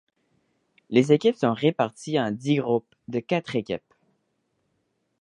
Les équipes sont réparties en dix groupes de quatre équipes.